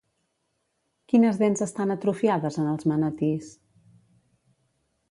Quines dents estan atrofiades en els manatís?